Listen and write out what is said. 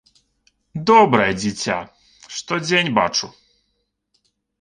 Добрае дзіця, штодзень бачу.